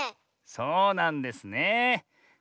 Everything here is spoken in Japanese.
そうなんですねえ。